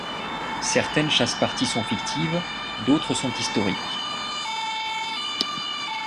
Certaines chasse-parties sont fictives, d'autres sont historiques.